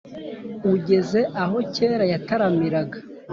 Ugeze aho kera yataramiraga